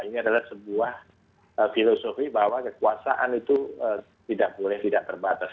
ini adalah sebuah filosofi bahwa kekuasaan itu tidak boleh tidak terbatas